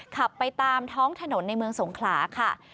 ขับไปตามท้องถนนในเมืองสงขลาค่ะ